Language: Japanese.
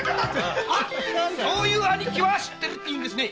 そういう兄貴は知ってるんですね！